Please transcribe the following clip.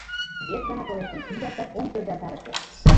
Вес гана толеш гын, низаштат ом сӧрвалтарыкте».